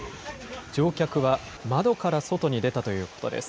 乗客は窓から外に出たということです。